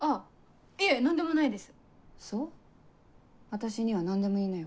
私には何でも言いなよ。